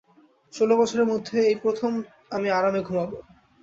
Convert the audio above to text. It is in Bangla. ষোল বছরের মধ্যে এই প্রথম আমি আরামে ঘুমাবো।